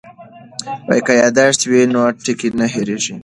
که یادښت وي نو ټکی نه هېریږي.